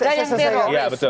ada yang teroris